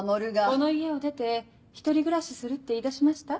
この家を出て１人暮らしするって言い出しました？